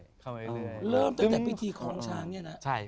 เริ่มจากแต่พิธีคล้องช้างนี้นะ